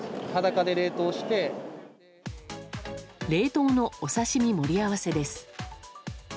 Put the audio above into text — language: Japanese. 冷凍のお刺し身盛り合わせです。